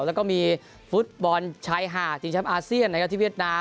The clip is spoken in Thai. แล้วก็มีฟุตบอลชายหาดชิงแชมป์อาเซียนนะครับที่เวียดนาม